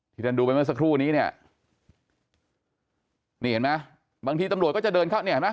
ท่านดูไปเมื่อสักครู่นี้เนี่ยนี่เห็นไหมบางทีตำรวจก็จะเดินเข้าเนี่ยเห็นไหม